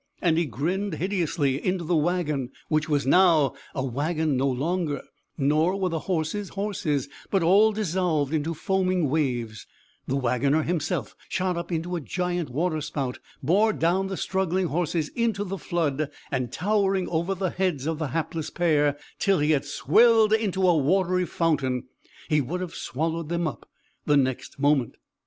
And he grinned hideously into the wagon which was now a wagon no longer, nor were the horses horses; but all dissolved into foaming waves; the wagoner himself shot up into a giant Waterspout, bore down the struggling horse into the flood, and, towering over the heads of the hapless pair, till he had swelled into a watery fountain, he would have swallowed them up the next moment.